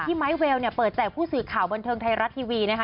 ไม้เวลเนี่ยเปิดแจกผู้สื่อข่าวบันเทิงไทยรัฐทีวีนะคะ